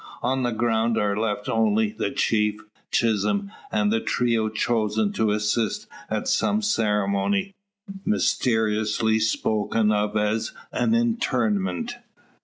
On the ground are left only the chief, Chisholm, and the trio chosen to assist at some ceremony, mysteriously spoken of as an "interment."